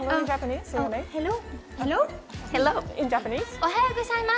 おはようございます！